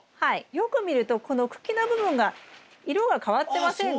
よく見るとこの茎の部分が色が変わってませんか？